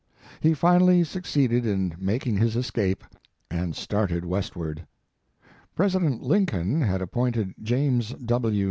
He finally succeeded in making his escape and started westward. President Lincoln had appointed James W.